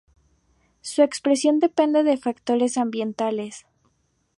Su expresión depende de factores ambientales.